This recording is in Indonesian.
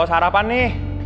kita sarapan yuk